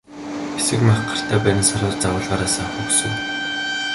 Хэсэг мах гартаа барин сарвайж заавал гараасаа авахыг хүсэв.